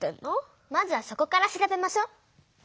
まずはそこから調べましょ。